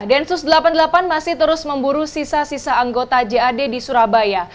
densus delapan puluh delapan masih terus memburu sisa sisa anggota jad di surabaya